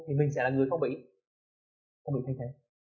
thì mình sẽ là người không bị thay thế